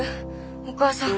お母さん。